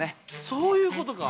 そういうことか。